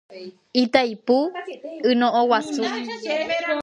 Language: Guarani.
Itaipu yno'õguasu.